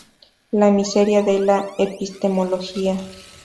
La miseria de la epistemología.